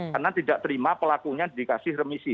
karena tidak terima pelakunya dikasih remisi